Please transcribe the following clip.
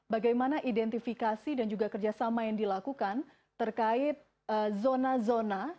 bagaimana identifikasi dan juga kerjasama yang dilakukan terkait zona zona